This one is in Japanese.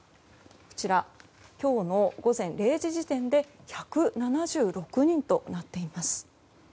今日の午前０時時点で１７６人となっています。